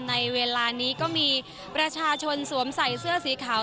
ในเวลานี้ก็มีประชาชนสวมใส่เสื้อสีขาว